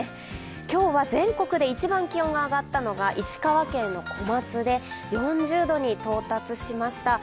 今日は全国で一番気温が上がったのが石川県の小松で４０度に到達しました。